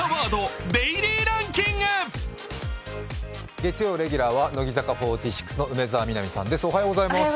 月曜レギュラーは乃木坂４６の梅澤美波さんです。